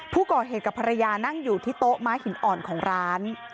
ผู้ก่อเหตุกับภรรยานั่งอยู่ที่โต๊ะม้าหินอ่อนของร้าน